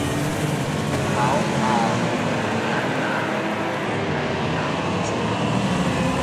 qau a ku vinliyan avan a “milimilingan na qatjuvi”